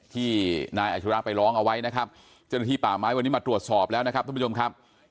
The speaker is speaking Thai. ที่นายอาชิระไปร้องเอาไว้นะครับเจ้าหน้าที่ป่าไม้วันนี้มาตรวจสอบแล้วนะครับท่านผู้ชมครับ